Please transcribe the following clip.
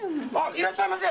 いらっしゃいませ！